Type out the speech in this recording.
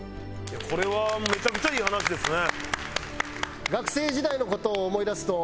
これはめちゃくちゃいい話ですね。